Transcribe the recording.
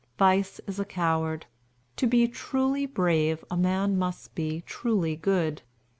Vice is a coward. To be truly brave, a man must be truly good.